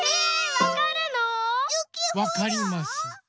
わかります。